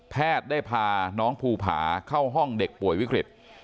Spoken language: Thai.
แพทย์ได้พาน้องภูผาเข้าห้องเด็กป่วยวิกฤต